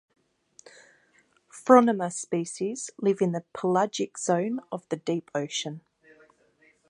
"Phronima" species live in the pelagic zone of the deep ocean.